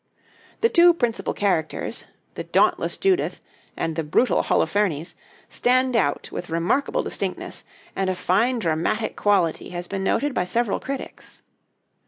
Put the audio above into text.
The two principal characters, the dauntless Judith and the brutal Holofernes, stand out with remarkable distinctness, and a fine dramatic quality has been noted by several critics.